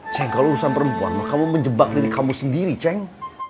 ceng kalau urusan perempuan mah kamu menjebak dari kamu sendiri ceng